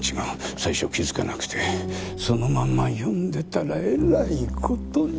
最初気付かなくてそのまんま読んでたらえらいことに。